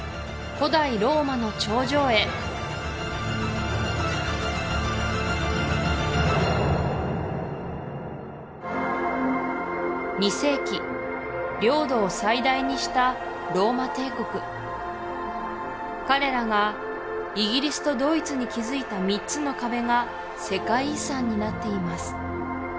古代ローマの長城へ２世紀領土を最大にしたローマ帝国彼らがイギリスとドイツに築いた３つの壁が世界遺産になっています